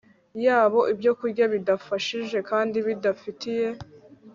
yabo ibyokurya bidafashije kandi bidafitiye